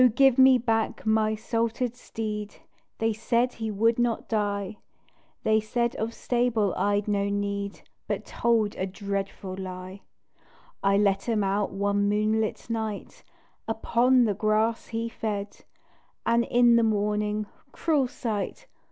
give me back my "salted" steed, They said, he would not die, They said of stable I'd no need, But told a dreadful lie. I let him out one moonlight night Upon the grass he fed And in the morning, cruel sight!